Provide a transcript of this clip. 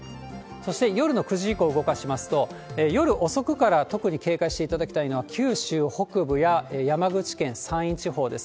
そして夜の９時以降動かしますと、夜遅くから特に警戒していただきたいのは、九州の北部や山口県、山陰地方です。